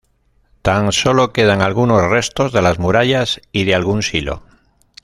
Tan solo quedan algunos restos de las murallas y de algún silo.